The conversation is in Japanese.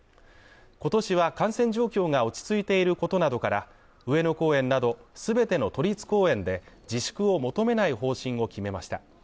今年は感染状況が落ち着いていることなどから上野公園など、全ての都立公園で自粛を求めない方針を決めました。